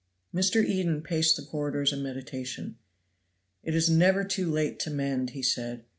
Mr. Eden paced the corridors in meditation. "It is never too late to mend!" he said.